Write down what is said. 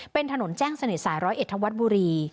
เป็นถนนแจ้งสนิทสายร้อยเอ็ธวัฒน์บุรี